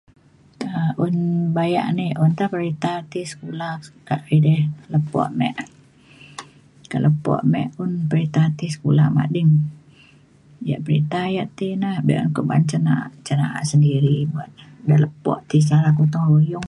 um un bayak ini un ta perita ti sekula kak edei lepo me. kak lepo me un perita ti sekula mading yak perita yak ti na be’un kuak ban cin na’a cin na’a sendiri buat da lepo ti sara gotong royong